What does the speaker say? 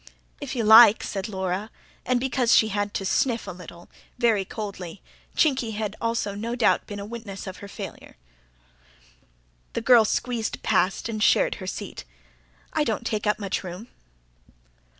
"If you like," said Laura and, because she had to sniff a little, very coldly: Chinky had no doubt also been a witness of her failure. The girl squeezed past and shared her seat. "I don't take up much room."